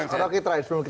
oke contoh satu ya